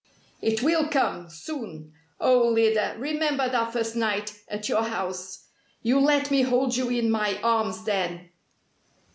"It will come soon. Oh, Lyda, remember that first night at your house. You let me hold you in my arms then."